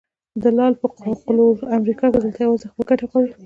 د لالا په قول امریکا دلته یوازې خپلې ګټې غواړي.